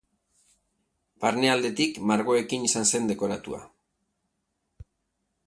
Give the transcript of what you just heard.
Barnealdetik, margoekin izan zen dekoratua.